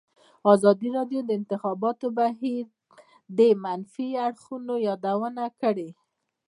ازادي راډیو د د انتخاباتو بهیر د منفي اړخونو یادونه کړې.